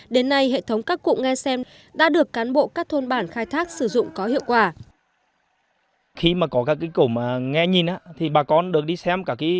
đến nay hệ thống các cụm nghe xem đã được cán bộ các thôn bản khai thác sử dụng có hiệu quả